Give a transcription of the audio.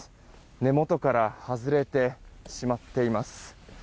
根元から外れてしまっています。